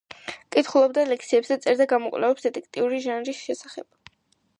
კითხულობდა ლექციებს და წერდა გამოკვლევებს დეტექტიური ჟანრის შესახებ.